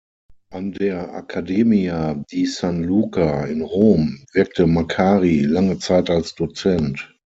An der Accademia di San Luca in Rom wirkte Maccari lange Zeit als Dozent.